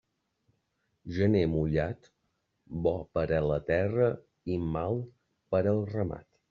Gener mullat, bo per a la terra i mal per al ramat.